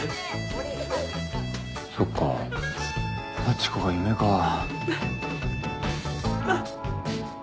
そっかハチ子が夢かぁ。